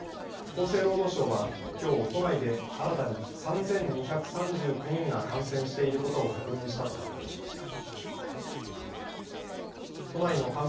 厚生労働省はきょう都内で新たに３２３９人が感染していることを確認したと発表しました。